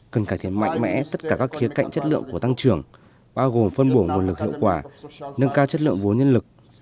cần cải thiện mạnh mẽ tất cả các khía cạnh chất lượng của tăng trưởng bao gồm phân bổ nguồn lực hiệu quả nâng cao chất lượng vốn nhân lực